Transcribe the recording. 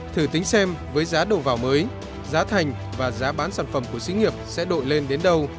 thử tính xem với giá đầu vào mới giá thành và giá bán sản phẩm của sĩ nghiệp sẽ đội lên đến đâu